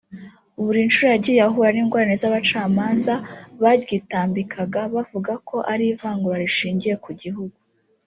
Buri nshuro yagiye ahura n’ingorane z’abacamanza baryitambikaga bavuga ko ari ivangura rishingiye ku gihugu